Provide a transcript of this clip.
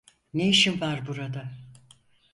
Ne işim var burada?